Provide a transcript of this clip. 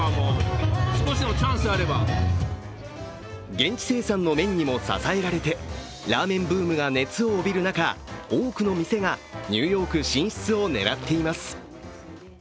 現地生産の麺にも支えられて、ラーメンブームが熱を帯びる中、多くの店がニューヨーク進出を狙っています。